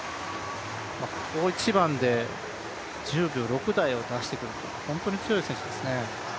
大一番で１０秒６台を出してくる、本当に強い選手ですね。